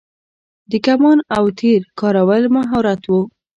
د کمان او تیر کارول مهارت و